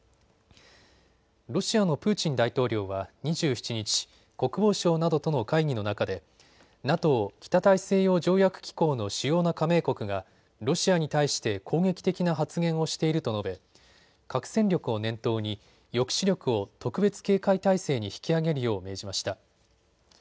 ロシアのプーチン大統領は２７日、国防相などとの会議の中でＮＡＴＯ・北大西洋条約機構の主要な加盟国がロシアに対して攻撃的な発言をしていると述べ核戦力を念頭に抑止力を特別警戒態勢に引き上げるよう命じました。